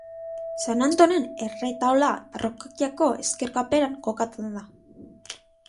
San Antonen erretaula parrokiako ezker kaperan kokatzen da.